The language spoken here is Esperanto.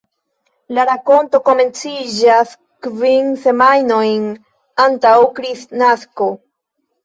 La rakonto komenciĝas kvin semajnojn antaŭ Kristnasko.